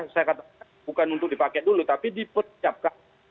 saya katakan bukan untuk dipakai dulu tapi dipersiapkan